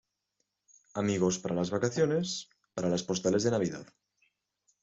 amigos para las vacaciones, para las postales de Navidad